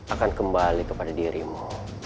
akan kembali kepada dirimu